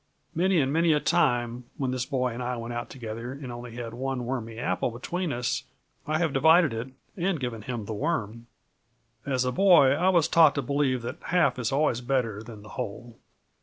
Many and many a time when this boy and I went out together and only had one wormy apple between us, I have divided it and given him the worm. "As a boy, I was taught to believe that half is always better than the hole."